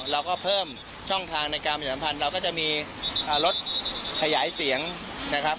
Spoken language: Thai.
เราก็เพิ่มช่องทางในการประชาสัมพันธ์เราก็จะมีรถขยายเสียงนะครับ